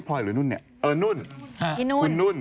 พรอยหรือนี่เนี่ยเอ่อนุ่น